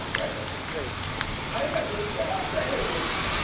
たれができたら材料を用意していきます。